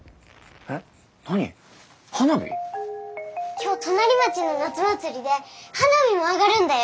今日隣町の夏祭りで花火も上がるんだよ。